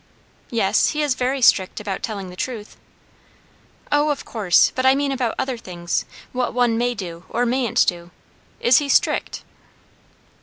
"Yes; he is very strict about telling the truth." "O, of course; but I mean about other things; what one may do or mayn't do. Is he strict?"